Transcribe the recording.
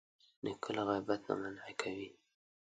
نیکه له غیبت نه منع کوي.